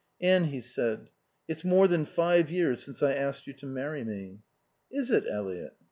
"Anne," he said, "it's more than five years since I asked you to marry me." "Is it, Eliot?"